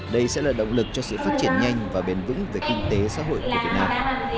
đây sẽ là động lực cho sự phát triển nhanh và bền vững về kinh tế xã hội của việt nam